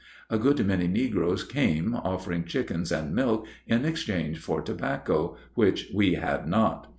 A good many negroes came offering chickens and milk in exchange for tobacco, which we had not.